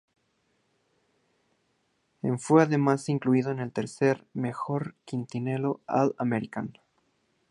En fue además incluido en el tercer mejor quinteto All-American.